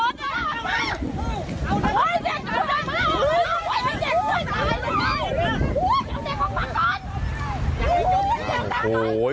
รถไปแล้วไปเลยไปเลยรถ